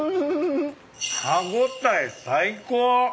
歯応え最高。